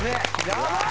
やばい！